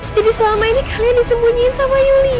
jadi selama ini kalian disembunyiin sama yulia